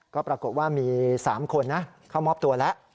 ก็ปรากฏว่ามี๓คนนะเข้ามอบตัวแล้ว